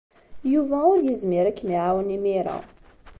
Yuba ur yezmir ad kem-iɛawen imir-a.